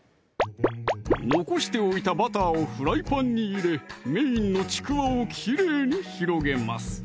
残しておいたバターをフライパンに入れメインのちくわをきれいに広げます